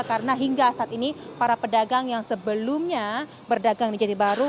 karena hingga saat ini para pedagang yang sebelumnya berdagang ini jadi baru